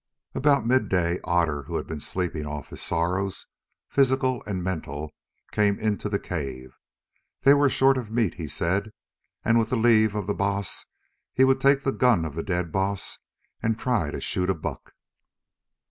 About midday Otter, who had been sleeping off his sorrows, physical and mental, came into the cavern. They were short of meat, he said, and with the leave of the Baas he would take the gun of the dead Baas and try to shoot a buck.